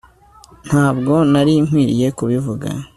ntabwo nari nkwiye kubivuga